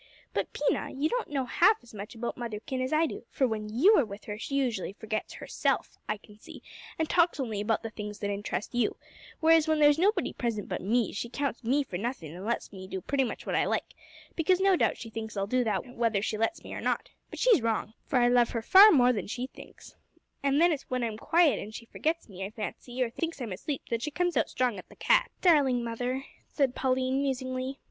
But, Pina, you don't know half as much about motherkin as I do, for when you are with her she usually forgets herself, I can see, and talks only about the things that interest you; whereas, when there's nobody present but me, she counts me for nothing, and lets me do pretty much what I like because no doubt she thinks I'll do that whether she lets me or not but she's wrong, for I love her far more than she thinks; and then it's when I'm quiet and she forgets me, I fancy, or thinks I'm asleep, that she comes out strong at the cat." "Darling mother!" said Pauline, musingly.